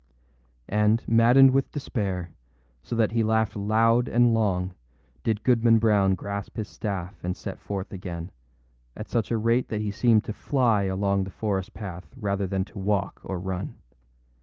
â And, maddened with despair, so that he laughed loud and long, did Goodman Brown grasp his staff and set forth again, at such a rate that he seemed to fly along the forest path rather than to walk or run.